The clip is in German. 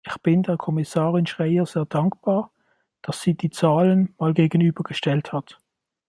Ich bin der Kommissarin Schreyer sehr dankbar, dass sie die Zahlen mal gegenübergestellt hat.